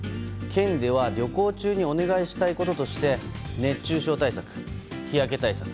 県では旅行中にお願いしたいこととして熱中症対策、日焼け対策